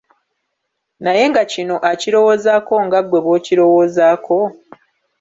Naye nga kino akirowoozaako nga gwe bw’okirowoozaako?